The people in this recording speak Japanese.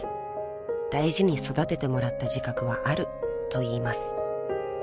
［大事に育ててもらった自覚はあるといいます］